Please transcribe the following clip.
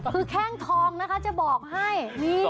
คือแข้งทองจะบอกให้